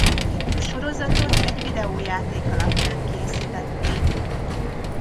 A sorozatot egy videójáték alapján készítették.